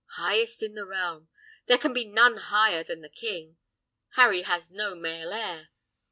Highest in the realm! There can be none higher than the king! Harry has no male heir.